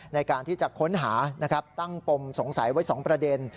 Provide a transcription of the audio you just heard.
ในการที่จะค้นหานะครับตั้งปมสงสัยไว้๒ประเด็น